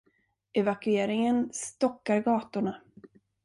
Evakueringen stockar gatorna.